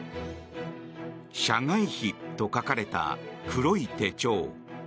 「社外秘」と書かれた黒い手帳。